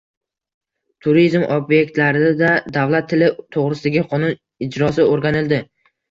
Turizm ob’ektlarida davlat tili to‘g‘risidagi qonun ijrosi o‘rganildi